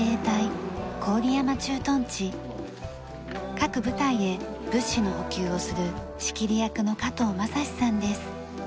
各部隊へ物資の補給をする仕切り役の加藤将士さんです。